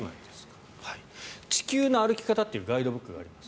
「地球の歩き方」というガイドブックがあります。